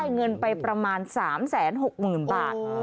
เงินไปประมาณ๓๖๐๐๐บาท